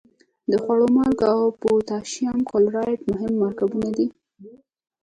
د خوړو مالګه او پوتاشیم کلورایډ مهم مرکبونه دي.